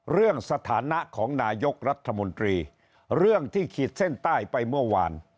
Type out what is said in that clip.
สถานะของนายกรัฐมนตรีเรื่องที่ขีดเส้นใต้ไปเมื่อวาน